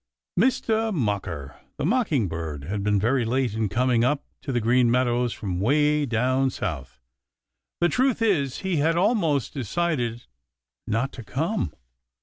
Mistah Mocker the Mockingbird had been very late in coming up to the Green Meadows from way down South. The truth is, he had almost decided not to come.